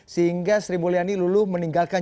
sehingga sri mulyani luluh meninggalkan